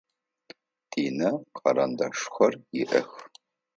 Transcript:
Динэ карандашхэр иӏэх.